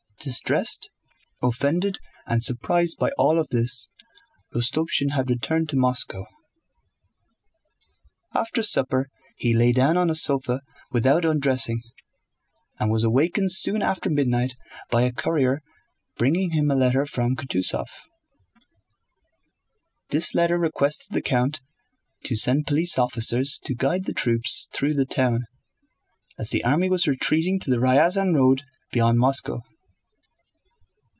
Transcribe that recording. Distressed, offended, and surprised by all this, Rostopchín had returned to Moscow. After supper he lay down on a sofa without undressing, and was awakened soon after midnight by a courier bringing him a letter from Kutúzov. This letter requested the count to send police officers to guide the troops through the town, as the army was retreating to the Ryazán road beyond Moscow.